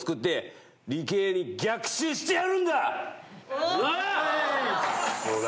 おっ！